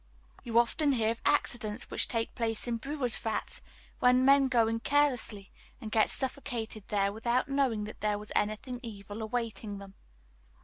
You often hear of accidents which take place in brewers' vats when men go in carelessly, and get suffocated there without knowing that there was anything evil awaiting them.